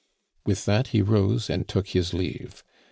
With that he rose and took his leave.